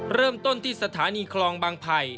เริ่มต้นที่สถานีคลองบางไผ่